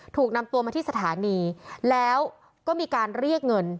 ถูกนำตัวมาที่สถานีแล้วก็มีการเรียกเงิน